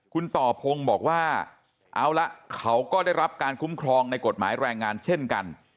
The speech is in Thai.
คุณต่อพงศ์บอกว่าเอาละเขาก็ได้รับการคุ้มครองในกฎหมายแรงงานเช่นกัน